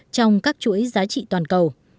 trong các chuỗi giá trị toàn cầu